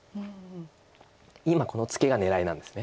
今このツケが狙いなんです。